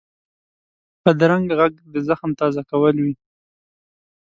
بدرنګه غږ د زخم تازه کول وي